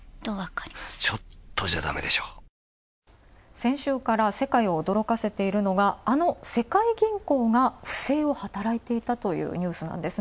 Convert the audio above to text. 先週から世界を驚かせているのがあの世界銀行が不正を働いていたと言うニュースです。